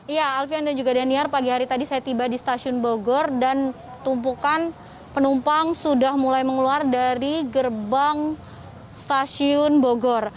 iya alfian dan juga daniar pagi hari tadi saya tiba di stasiun bogor dan tumpukan penumpang sudah mulai mengeluarkan dari gerbang stasiun bogor